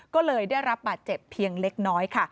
ก็เลยได้รับบาดเจ็บเพียงเล็กน้อยค่ะ